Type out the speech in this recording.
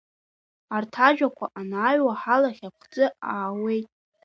Арҭ ажәақәа анааҩуа ҳалахь аԥхӡы аауеит.